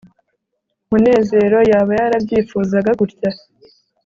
munezero yaba yarabyifuzaga gutya